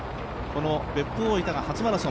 別府大分が初マラソン。